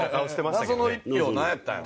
謎の１票なんやったんやろ？